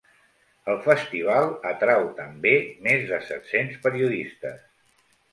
El festival atrau també més de set-cents periodistes.